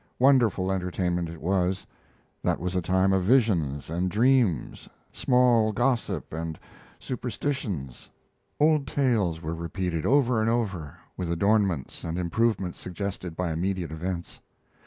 Wonderful entertainment it was. That was a time of visions and dreams, small. gossip and superstitions. Old tales were repeated over and over, with adornments and improvements suggested by immediate events.